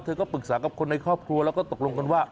ก็ปรึกษากับคนในครอบครัวแล้วก็ตกลงกันว่า